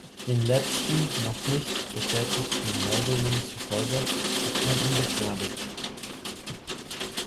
Den letzten, noch nicht bestätigten Meldungen zufolge hat man ihn begnadigt.